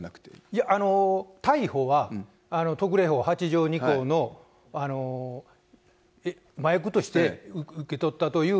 いや、逮捕は特例法８条２項の麻薬として受け取ったという。